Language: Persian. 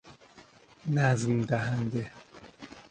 نظم دهنده